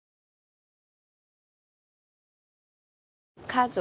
家族。